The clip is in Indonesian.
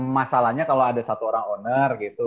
masalahnya kalau ada satu orang owner gitu